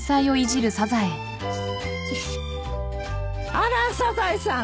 あらサザエさん